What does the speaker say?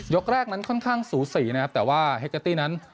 กแรกนั้นค่อนข้างสูสีนะครับแต่ว่าเฮเกอร์ตี้นั้น